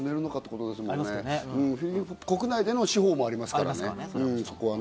国内での司法もありますからね、そこはね。